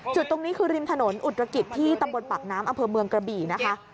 จุดตรงนี้คือริมถนนอุตรกิจที่ตำบลปากน้ำอำเภอเมืองกระบี่นะคะ